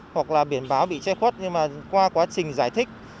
hoặc là biển báo bị che khuất nhưng mà qua quá trình giải thích